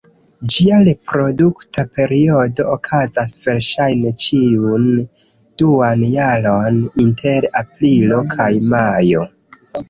Ĝia reprodukta periodo okazas verŝajne ĉiun duan jaron, inter aprilo kaj majo.